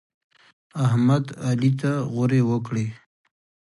احمد؛ علي ته غورې وکړې.